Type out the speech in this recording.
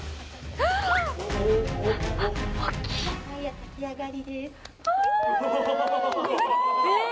はい炊き上がりですああっ！